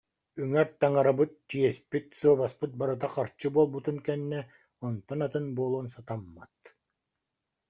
Үҥэр таҥарабыт, чиэспит, суобаспыт барыта харчы буолбутун кэннэ онтон атын буолуон сатаммат